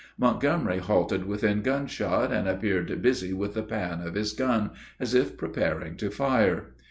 Montgomery halted within gunshot, and appeared busy with the pan of his gun, as if preparing to fire.